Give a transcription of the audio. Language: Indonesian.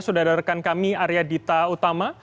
sudah ada rekan kami arya dita utama